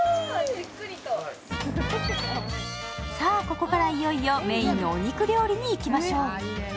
さあ、ここからいよいよメーンのお肉料理にいきましょう。